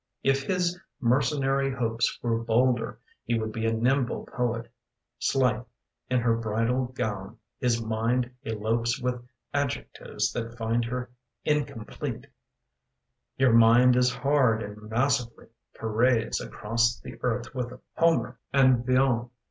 If his mercenary hopes Were bolder he would be a nimble poet. Slight in her bridal gown, his mind elopes With adjectives that find her incomplete: Your mind is hard and massively parades Across the earth with Homer and Villon.